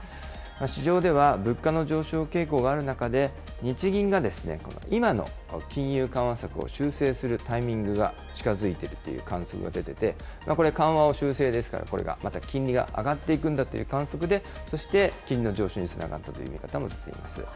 市場では物価の上昇傾向がある中で、日銀が、今の金融緩和策を修正するタイミングが近づいているという観測が出ていて、これ緩和を修正ですから、これがまた金利が上がっていくんだという観測で、そして金利の上昇につながったという見方も出ています。